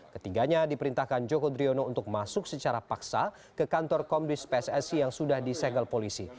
ketiganya diperintahkan joko driono untuk masuk secara paksa ke kantor komdis pssi yang sudah disegel polisi